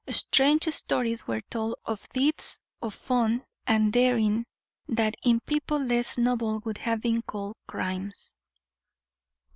Strange stories were told of deeds of fun and daring that in people less noble would have been called crimes.